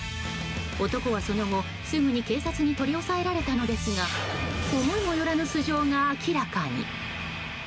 男はその後、すぐに警察に取り押さえられたのですが思いも寄らぬ素性が明らかに。